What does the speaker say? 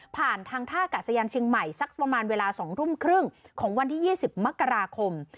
ผ่านทางท่ากาศยานเชียงใหม่สักประมาณเวลา๒ทุ่มครึ่งของวันที่๒๐มกราคม